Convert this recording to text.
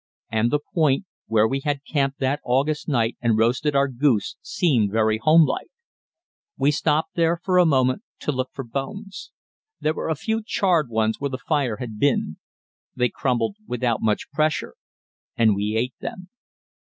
And the point, where we had camped that August night and roasted our goose seemed very homelike. We stopped there for a moment to look for bones. There were a few charred ones where the fire had been. They crumbled without much pressure, and we ate them.